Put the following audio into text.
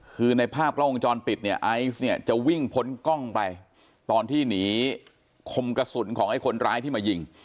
คือในภาพกล้องวงจรปิดเนี่ยไอซ์เนี่ยจะวิ่งพ้นกล้องไปตอนที่หนีคมกระสุนของไอ้คนร้ายที่มายิง